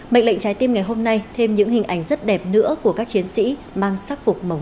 mệnh lệnh trái tim ngày hôm nay thêm những hình ảnh rất đẹp nữa của các chiến sĩ mang sắc phục mồng